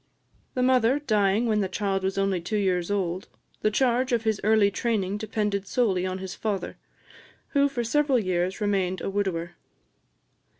The mother dying when the child was only two years old, the charge of his early training depended solely on his father, who for several years remained a widower.